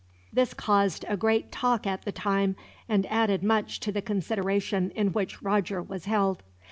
This caused a great talk at the time, and added much to the consideration in which Roger was held.